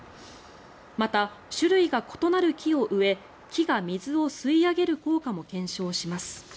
また、種類が異なる木を植え木が水を吸い上げる効果も検証します。